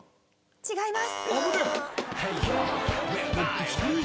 違います。